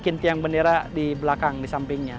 dan tiang bendera di belakang di sampingnya